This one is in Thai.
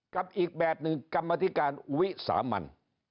กับอีกแบบหนึ่งกรรมธิการวิสามัน